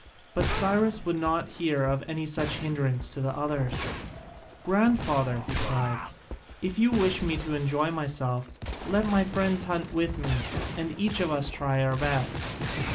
But Cyrus would not hear of any such hindrance to the others: "Grandfather," he cried, "if you wish me to enjoy myself, let my friends hunt with me and each of us try our best."